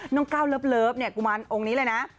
น้องก้าวเลิฟกุมารองค์นี้เลยนะ